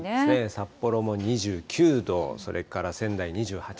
札幌も２９度、それから仙台２８度。